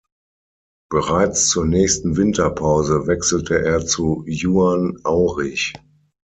Bereits zur nächsten Winterpause wechselte er zu Juan Aurich.